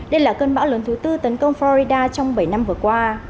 đây là cơn bão lớn thứ tư tấn công florida trong bảy năm vừa qua